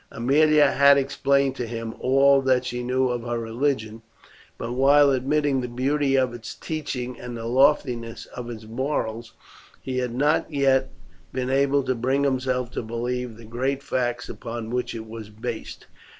Aemilia had explained to him all that she knew of her religion, but while admitting the beauty of its teaching, and the loftiness of its morals, he had not yet been able to bring himself to believe the great facts upon which it was based.